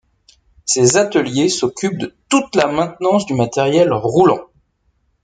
Ces ateliers s'occupent de toute la maintenance du matériel roulant.